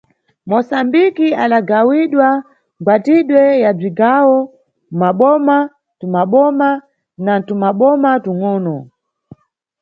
Mosambiki adagawidwa mʼmgwatidwe ya mʼdzigawo, mʼmaboma mtumaboma na mtumaboma tung, ono.